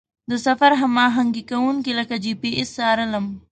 د سفر هماهنګ کوونکي لکه جي پي اس څارلم.